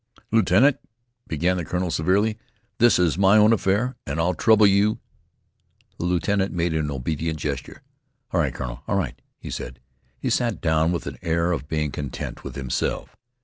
"Lieutenant," began the colonel, severely, "this is my own affair, and I'll trouble you " The lieutenant made an obedient gesture. "All right, colonel, all right," he said. He sat down with an air of being content with himself.